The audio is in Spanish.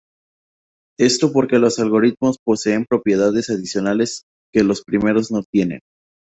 Esto porque los algoritmos poseen propiedades adicionales que los primeros no tienen.